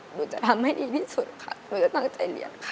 หนูจะทำให้ดีที่สุดค่ะหนูจะตั้งใจเรียนค่ะ